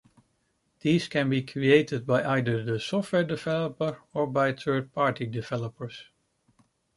These can be created by either the software developer or by third party developers.